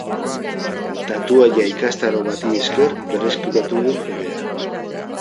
Tatuaia ikastaro bati esker berreskuratu du fedea.